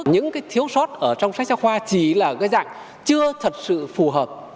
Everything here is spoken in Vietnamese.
những thiếu sót trong sách giáo khoa chỉ là gây ảnh chưa thật sự phù hợp